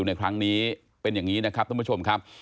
ในครั้งนี้เป็นอย่างนี้นะครับท่านผู้ชมครับ